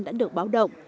đã được báo động